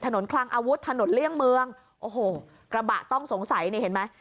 คลังอาวุธถนนเลี่ยงเมืองโอ้โหกระบะต้องสงสัยนี่เห็นไหม